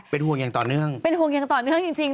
เป็นห่วงอย่างต่อเนื่องเป็นห่วงอย่างต่อเนื่องจริง